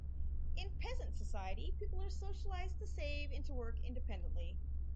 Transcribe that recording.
In peasant society, people are socialized to save and to work independently.